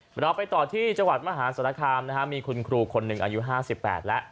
เดี๋ยวเราไปต่อที่จังหวัดมหาสุรคนธรรมมีคุณครูคนหนึ่งอายุ๕๘แล้ว